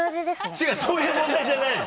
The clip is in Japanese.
違うそういう問題じゃないの。